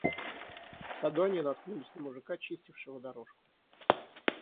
В саду они наткнулись на мужика, чистившего дорожку.